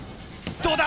どうだ？